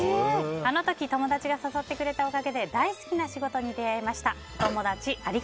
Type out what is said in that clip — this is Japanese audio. あの時友達が誘ってくれたおかげで大好きな仕事に出会えました。